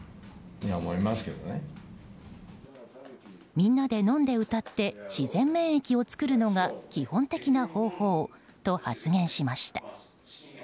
みんなで飲んで歌って自然免疫と作るのが基本的な方法と発言しました。